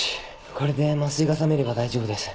これで麻酔が覚めれば大丈夫です。